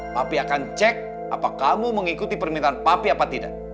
tapi akan cek apa kamu mengikuti permintaan papi apa tidak